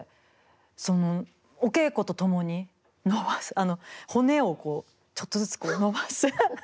そのお稽古とともにのばす骨をこうちょっとずつこうのばす。